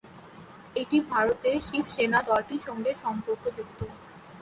এটি ভারতের শিবসেনা দলটির সঙ্গে সম্পর্কযুক্ত।